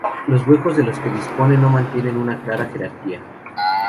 Los huecos de los que dispone no mantienen una clara jerarquía.